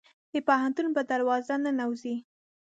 د پوهنتون په دروازه ننوزي